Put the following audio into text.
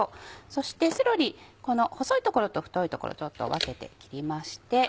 そしてセロリこの細い所と太い所ちょっと分けて切りまして。